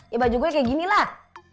ya bajunya kayak ginilah